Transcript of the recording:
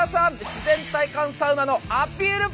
自然体感サウナのアピール